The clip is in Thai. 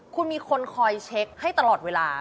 คุณมีคนคอยเช็คให้ตลอดเวลา